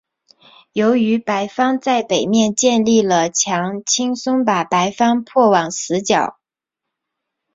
由于白方在北面建立了墙轻松把白方迫往死角。